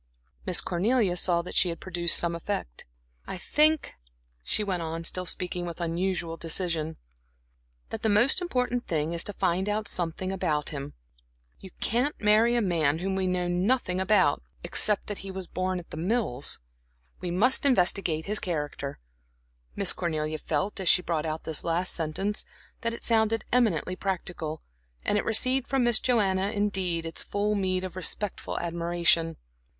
Miss Cornelia saw that she had produced some effect. "I think," she went on, still speaking with unusual decision, "that the most important thing is to find out something about him. You can't marry a man whom we know nothing about, except that that he was born at The Mills. We must investigate his character." Miss Cornelia felt, as she brought out this last sentence, that it sounded eminently practical, and it received from Miss Joanna, indeed, its full meed of respectful admiration.